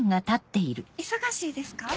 忙しいですか？